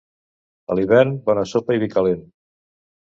A l'hivern, bona sopa i vi calent.